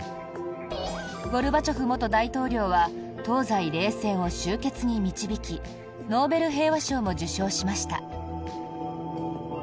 ゴルバチョフ元大統領は東西冷戦を終結に導きノーベル平和賞も受賞しました。